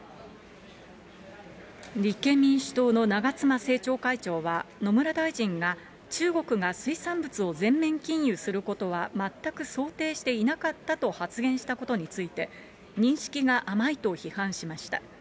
立憲民主党の長妻政調会長は、野村大臣が中国が水産物を全面禁輸することは全く想定していなかったと発言したことについて、認識が甘いと批判しました。